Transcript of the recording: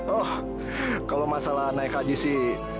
oh kalau masalah naik haji sih